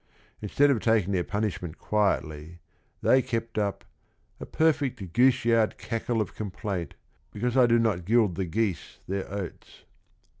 Instead of taking their punishment quietly, they kept up "A perfect goose yard cackle of complaint Because I do not gild the geese their oats."